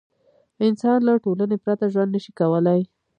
انسان له ټولنې پرته ژوند نه شي کولی.